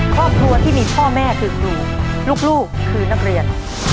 ครอบครัวที่มีพ่อแม่คือครูลูกคือนักเรียน